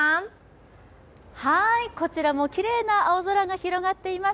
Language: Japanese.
こちらもきれいな青空が広がっています。